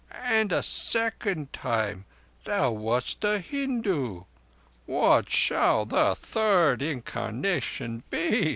And a second time thou wast a Hindu. What shall the third incarnation be?"